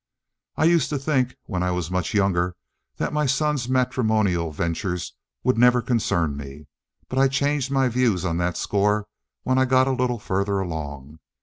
"I used to think, when I was much younger that my son's matrimonial ventures would never concern me, but I changed my views on that score when I got a little farther along.